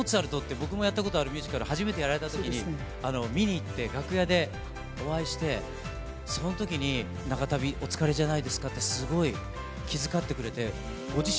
僕もやったことあるミュージカルを初めてやられたとき見に行って、楽屋でお会いしてそのときに長旅、お疲れじゃないですかってすごい気づかってくれてご自身